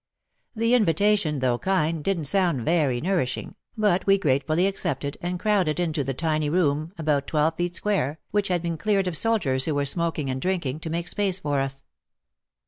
The invitation, though kind, didn't sound very nourishing, but we gratefully accepted, and crowded into the tiny room, about twelve feet square, which had been cleared of soldiers who were smoking and drinking, to make space for us.